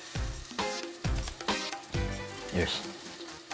よし。